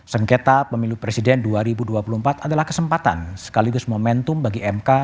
sengketa pemilu presiden dua ribu dua puluh empat adalah kesempatan sekaligus momentum bagi mk